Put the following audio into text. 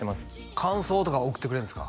感想とか送ってくれるんですか？